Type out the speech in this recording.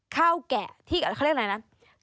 ข้าวกแกะที่เขาเรียกไงนะ